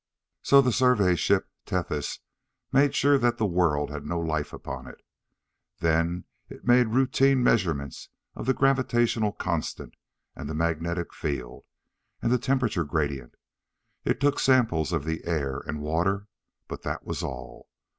So the Survey Ship Tethys made sure that the world had no life upon it. Then it made routine measurements of the gravitational constant and the magnetic field and the temperature gradient; it took samples of the air and water. But that was all.